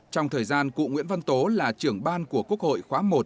trong thời gian cụ nguyễn văn tố là trưởng ban của quốc hội khóa một